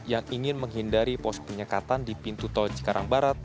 yang ingin menghindari pos penyekatan di pintu tol cikarang barat